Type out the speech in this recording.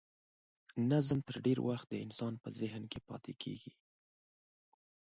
نظم تر ډېر وخت د انسان په ذهن کې پاتې کیږي.